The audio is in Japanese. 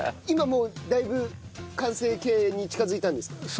今もうだいぶ完成形に近づいたんですか？